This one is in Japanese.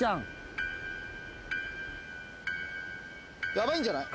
ヤバいんじゃない？